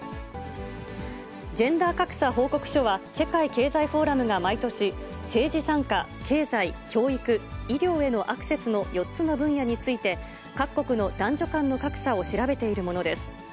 ジェンダー格差報告書は、世界経済フォーラムが毎年、政治参加、経済、教育、医療へのアクセスの４つの分野について、各国の男女間の格差を調べているものです。